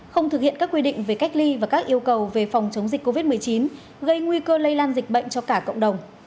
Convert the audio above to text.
không thực hiện các quy định về cách ly và các yêu cầu về phòng chống dịch covid một mươi chín gây nguy cơ lây lan dịch bệnh cho cả cộng đồng